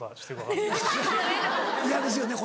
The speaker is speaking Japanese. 嫌ですよね？